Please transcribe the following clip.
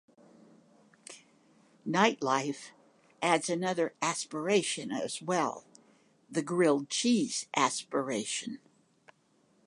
"Nightlife" adds another Aspiration as well: the Grilled Cheese Aspiration.